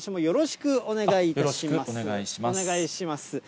よろしくお願いします。